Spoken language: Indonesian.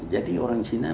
jadi orang cina